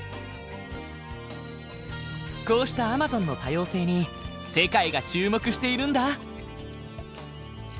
こうしたアマゾンの多様性に世界が注目しているんだ。